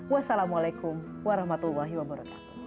wassalamualaikum warahmatullahi wabarakatuh